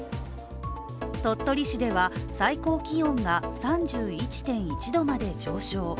鳥取市では最高気温が３１．１度まで上昇。